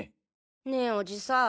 ねえおじさん。